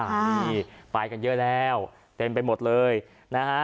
นี่ไปกันเยอะแล้วเต็มไปหมดเลยนะฮะ